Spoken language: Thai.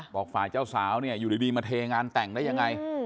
ฝ่ายเจ้าสาวเนี่ยอยู่ดีมาเทงานแต่งได้ยังไง